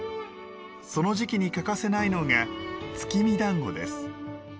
その時期に欠かせないのが月見だんごです。